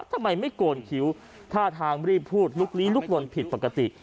ทำไมไม่โกนคิ้วท่าทางรีบพูดลุกลี้ลุกลนผิดปกติ